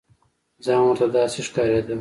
ځان ورته داسې ښکارېده.